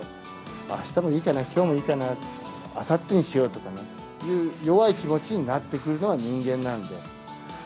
あしたもいいかな、きょうもいいかな、あさってにしようとかね、弱い気持ちになってくるのが人間なんで。